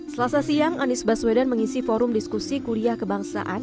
selasa siang anies baswedan mengisi forum diskusi kuliah kebangsaan